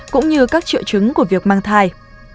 cũng như các trụ trứng của việc mang thai